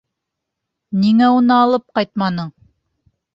Ниңә уны алып ҡайтманың?